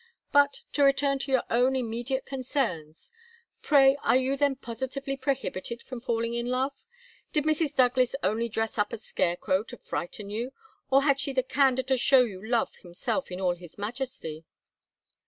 But, to return to your own immediate concerns. Pray, are you then positively prohibited from falling in love? Did Mrs. Douglas only dress up a scarecrow to frighten you, or had she the candour to show you Love himself in all his majesty?"